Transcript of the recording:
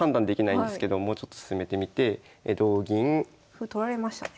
歩取られましたね。